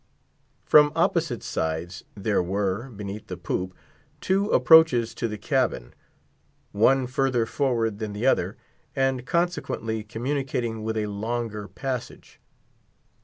From opposite sides, there were, beneath the poop, two approaches to the cabin; one further forward than the other, and consequently communicating with a longer passage.